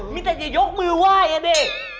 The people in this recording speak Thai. มีแต่จะยกมือว่ายด้วยนิ